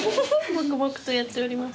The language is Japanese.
黙々とやっております。